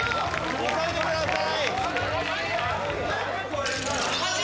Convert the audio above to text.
任せてください。